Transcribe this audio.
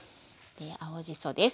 青じそです。